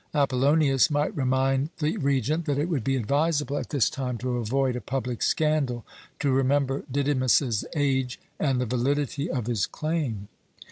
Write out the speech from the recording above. Apollonius might remind the Regent that it would be advisable at this time to avoid a public scandal, to remember Didymus's age, and the validity of his claim.